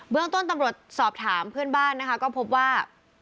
เรื่องต้นตำรวจสอบถามเพื่อนบ้านนะคะก็พบว่า